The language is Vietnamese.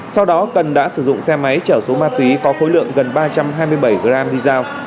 sau đó cần đã sử dụng xe máy chở số ma túy có khối lượng gần ba trăm hai mươi bảy g đi giao